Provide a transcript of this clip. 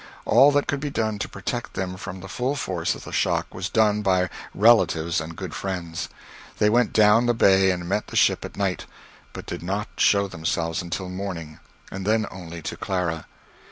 All that could be done to protect them from the full force of the shock was done by relatives and good friends. They went down the Bay and met the ship at night, but did not show themselves until morning, and then only to Clara.